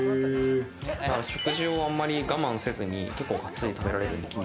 だから食事をあまり我慢せずに、がっつり食べられるんで。